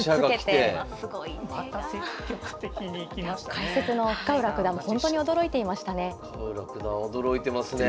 解説の深浦九段もほんとに驚いていましたね。